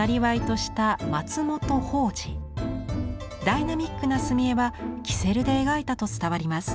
ダイナミックな墨絵はキセルで描いたと伝わります。